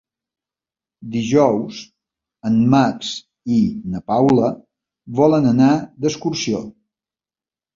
Dijous en Max i na Paula volen anar d'excursió.